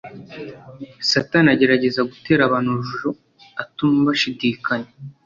satani agerageza gutera abantu urujijo atuma bashidikanya